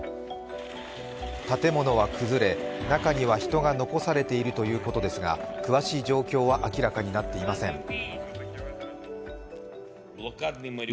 建物は崩れ、中には人が残されているということですが、詳しい状況は明らかになっていません。